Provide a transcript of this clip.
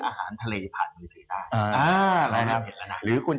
อาหารทะเล